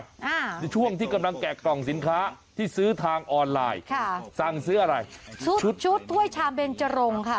ในช่วงที่กำลังแกะกล่องสินค้าที่ซื้อทางออนไลน์ค่ะสั่งซื้ออะไรชุดชุดถ้วยชามเบนเจรงค่ะ